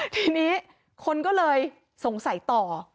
ทีนี้คนก็เลยสงสัยต่อ